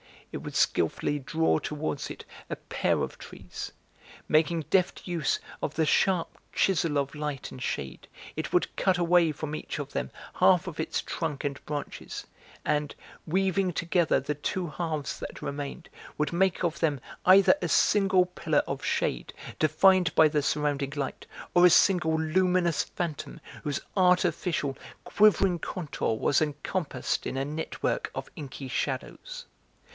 It would skilfully draw towards it a pair of trees; making deft use of the sharp chisel of light and shade, it would cut away from each of them half of its trunk and branches, and, weaving together the two halves that remained, would make of them either a single pillar of shade, defined by the surrounding light, or a single luminous phantom whose artificial, quivering contour was encompassed in a network of inky shadows.